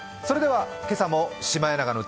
今朝も「シマエナガの歌」